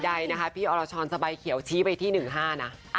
ใดนะคะพี่อรชรสบายเขียวชี้ไปที่๑๕นะ